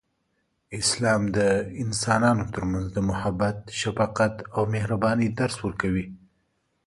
اسلام د انسانانو ترمنځ د محبت، شفقت، او مهربانۍ درس ورکوي.